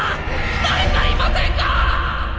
だれかいませんか！